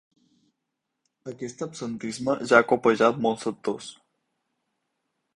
Aquest absentisme ja ha colpejat molts sectors.